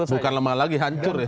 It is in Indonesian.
bukan lemah lagi hancur ya